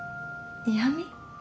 嫌み？